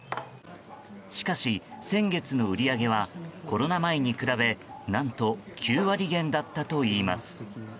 しかし、先月の売り上げはコロナ前に比べ何と９割減だったといいます。